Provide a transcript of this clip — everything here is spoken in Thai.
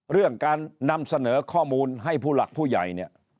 เรื่องการนำเสนอข้อมูลให้ผู้หลักผู้ใหญ่เนี่ย